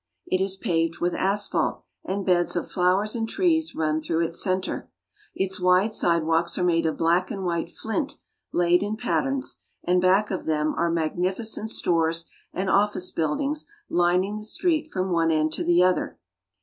It is paved with asphalt, and beds of flowers and trees run through its center. Its wide side walks are made of black and white flint, laid in patterns, and back of them are magnificent stores and office build ings lining the street from one end to the other.